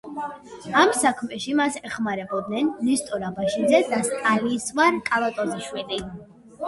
ამ საქმეში მას ეხმარებოდნენ ნესტორ აბაშიძე და სტანისლავ კალატოზიშვილი.